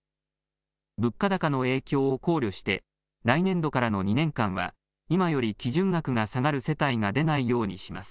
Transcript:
物価高の影響を考慮して、来年度からの２年間は、今より基準額が下がる世帯が出ないようにします。